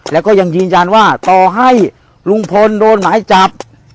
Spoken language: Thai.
แล้วก็ยังยืนยันว่าต่อให้ลุงพลโดนหมายจับ